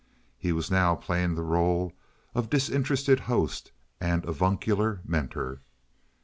He was now playing the role of disinterested host and avuncular mentor.